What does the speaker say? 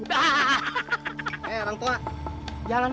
hahah eh orang tua jalan berangkat